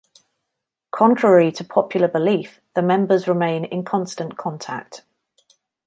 Contrary to popular belief, the members remain in constant contact.